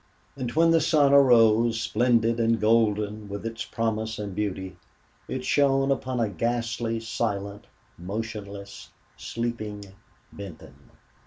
And when the sun arose, splendid and golden, with its promise and beauty, it shone upon a ghastly, silent, motionless sleeping Benton.